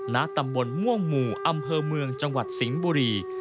ณตำบลม่วงหมู่อำเภอเมืองจังหวัดสิงห์บุรี